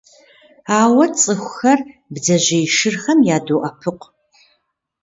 Ауэ цӀыхухэр бдзэжьей шырхэм ядоӀэпыкъу.